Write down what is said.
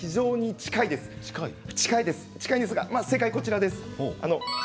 近いですが正解はこちらです。